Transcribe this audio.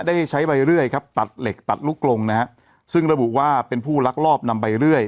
ได้ใช้ใบเรื่อยครับตัดเหล็กตัดลูกกลงนะฮะซึ่งระบุว่าเป็นผู้ลักลอบนำใบเรื่อย